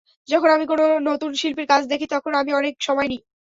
যখন আমি কোনো নতুন শিল্পীর কাজ দেখি, তখন আমি অনেক সময় নিই।